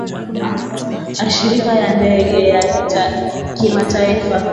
ashirika ya ndege ya kimataifa